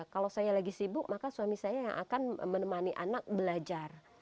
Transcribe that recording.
kalau saya lagi sibuk maka suami saya yang akan menemani anak belajar